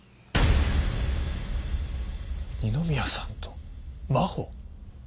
二宮さんと真帆⁉